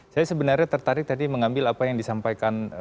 saya sebenarnya tertarik tadi mengambil apa yang disampaikan